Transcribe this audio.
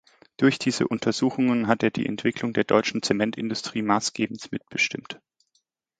Durch diese Untersuchungen hat er die Entwicklung der deutschen Zementindustrie maßgebend mitbestimmt.